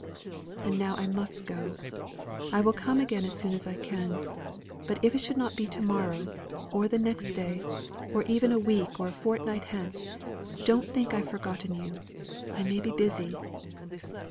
And now I must go. I will come again as soon as I can; but if it should not be to morrow, or the next day, or even a week or a fortnight hence, don't think I've forgotten you. I may be busy."